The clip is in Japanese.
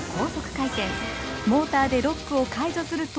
モーターでロックを解除すると。